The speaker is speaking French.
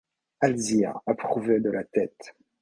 Alzire approuvait de la tête.